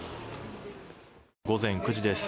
午前９時です。